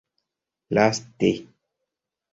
laste